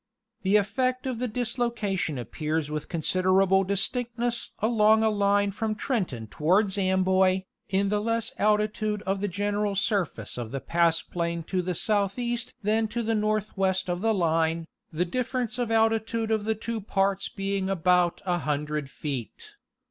The effect of the dislocation appears with considerable distinctness along a line from Trenton towards Amboy, in the less altitude of the general surface of the pastplain to the southeast than to the northwest of the line, the difference of altitude of the two parts being about a hundred feet.